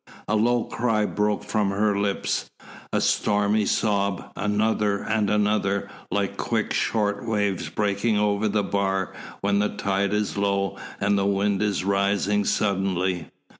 A low cry broke from her lips, a stormy sob, another and another, like quick short waves breaking over the bar when the tide is low and the wind is rising suddenly.